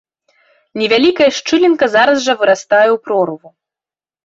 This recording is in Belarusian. Невялікая шчылінка зараз жа вырастае ў прорву.